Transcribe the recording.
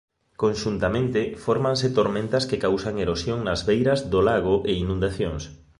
Conxuntamente fórmanse tormentas que causan erosión nas beiras do lago e inundacións.